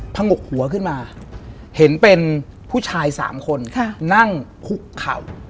งกหัวขึ้นมาเห็นเป็นผู้ชาย๓คนนั่งคุกเข่า